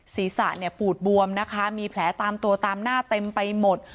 ศีรษะเนี่ยปูดบวมนะคะมีแผลตามตัวตามหน้าเต็มไปหมด